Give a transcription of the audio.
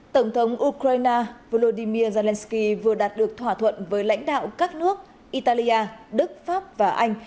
tổng thống ukraine volodymyr zelensky vừa đạt được thỏa thuận với lãnh đạo các nước italia đức pháp và anh